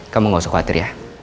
kamu gak usah khawatir ya